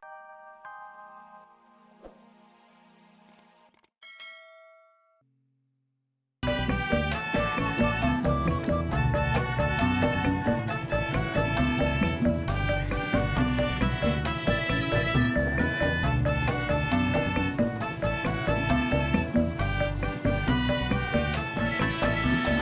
dengan memang au